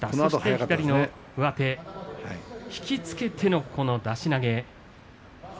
左の上手、引き付けてのこの出し投げ。